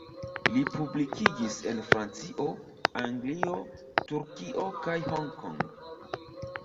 Li publikigis en Francio, Anglio, Turkio kaj Hong Kong.